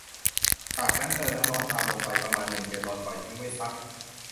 จากนั้นก็เติมน้ำร้อนตามลงไปประมาณ หนึ่ง แกลลอน ปล่อยทิ้งไว้สัก